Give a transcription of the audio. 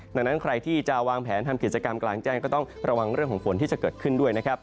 ดังนั้นใครที่จะวางแผนทำกิจกรรมกลางแจ้งก็ต้องระวังเรื่องของฝนที่จะเกิดขึ้นด้วยนะครับ